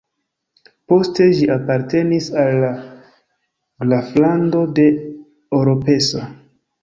Poste ĝi apartenis al la graflando de Oropesa.